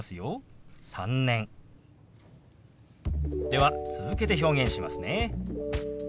では続けて表現しますね。